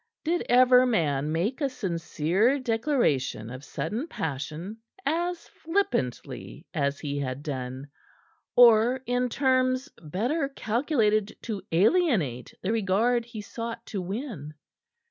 Did ever man make a sincere declaration of sudden passion as flippantly as he had done, or in terms better calculated to alienate the regard he sought to win?